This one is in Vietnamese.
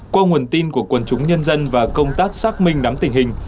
qua nguồn tin của quân chúng nhân dân và công tác xác minh đắm tình hình